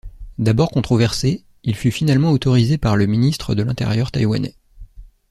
D'abord controversé, il fut finalement autorisé par le Ministre de l'Intérieur taïwanais.